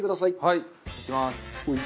はいいきます。